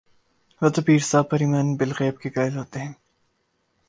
وہ تو پیر صاحب پر ایمان بالغیب کے قائل ہوتے ہیں۔